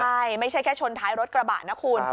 ใช่ไม่ใช่แค่ชนท้ายรถกระบะนะคุณ